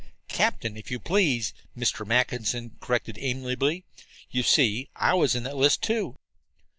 "Captain, if you please," Mr. Mackinson corrected amiably. "You see, I was in the list, too."